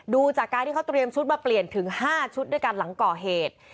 ดูจากการที่เขาเตรียมชุดมาเปลี่ยนถึง๕ชุดด้วยกันหลังก่อเหตุ